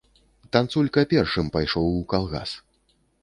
Танцулька першым пайшоў у калгас.